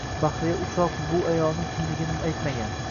Bahriya Uchoq bu ayolning kimligini aytmagan